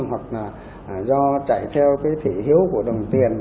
hoặc là do chạy theo cái thị hiếu của đồng tiền